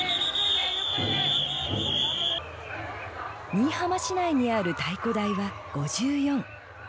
新居浜市内にある太鼓台は５４。